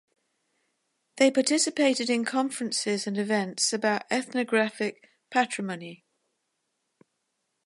They participated in conferences and events about ethnographic patrimony.